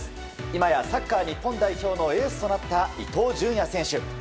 今やサッカー日本代表のエースとなった伊東純也選手。